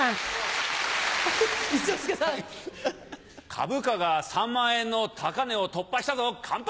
株価が３万円の高値を突破したぞ乾杯！